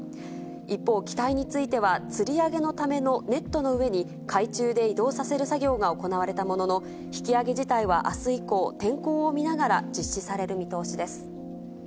一方、機体については、つり上げのためのネットの上に海中で移動させる作業が行われたものの、引き揚げ自体はあす以降、天候を見ながら実施される見通しです。